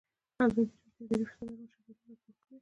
ازادي راډیو د اداري فساد اړوند شکایتونه راپور کړي.